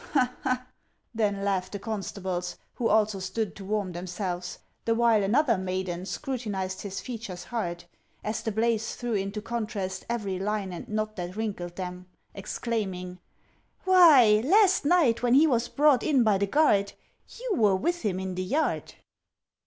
"Ha, ha!" then laughed the constables who also stood to warm themselves, The while another maiden scrutinized his features hard, As the blaze threw into contrast every line and knot that wrinkled them, Exclaiming, "Why, last night when he was brought in by the guard, You were with him in the yard!"